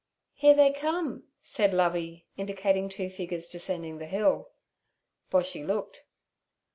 'Here they come' said Lovey, indicating two figures descending the hill. Boshy looked.